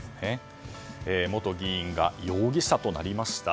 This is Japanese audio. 元議員が容疑者となりました。